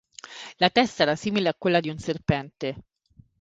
La testa era simile a quella di un serpente.